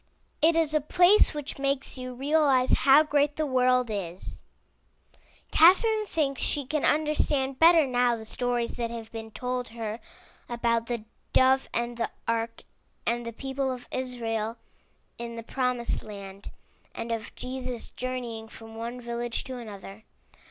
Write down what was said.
It is a place which makes you realize how great the world is. Catherine thinks MY BOOK HOUSE she can understand better now the stories that have been told her about the dove and the ark and the people of Israel in the promised land, and of Jesus journeying from one village to another.